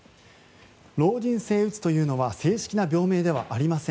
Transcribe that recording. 老人性うつというのは正式な病名ではありません。